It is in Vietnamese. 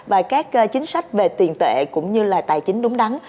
và các chính sách về tiền tệ cũng như là tài chính đúng đắn